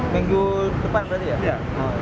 minggu depan tadi ya